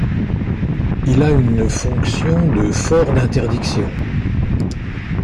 Il a une fonction de fort d’interdiction.